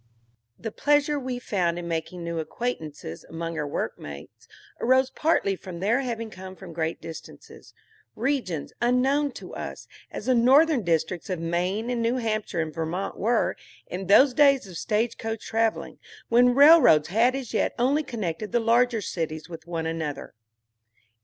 THE pleasure we found in making new acquaintances among our workmates arose partly from their having come from great distances, regions unknown to us, as the northern districts of Maine and New Hampshire and Vermont were, in those days of stage coach traveling, when rail roads had as yet only connected the larger cities with one another.